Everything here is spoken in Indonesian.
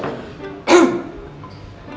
naga aku dellu bull